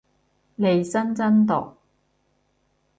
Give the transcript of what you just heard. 利申真毒